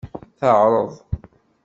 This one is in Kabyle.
Teɛreḍ.